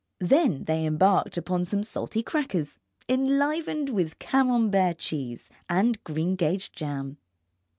Then they embarked upon some salty crackers, enlivened with Camembert cheese and green gage jam.